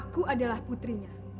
aku adalah putrinya